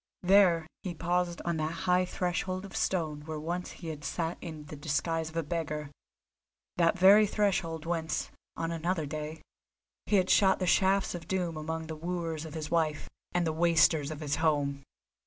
There he paused on that high threshold of stone where once he had sat in the disguise of a beggar, that very threshold whence, on another day, he had shot the shafts of doom among the wooers of his wife and the wasters of his home.